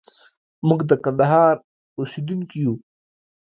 موږ د کندهار اوسېدونکي يو.